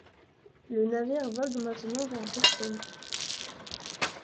Le navire vogue maintenant vers Boston.